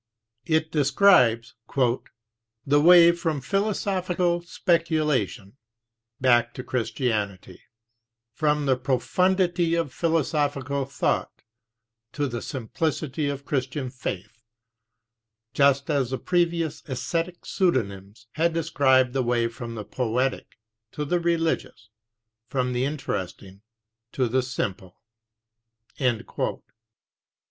It describes "the way from philosophical speculation back to Christianity, from the profundity of philosophical thought to the simplicity of Christian faith, just as the previous esthetic pseudonyms had described the way from the poetic to the religious, from the interesting to the simple."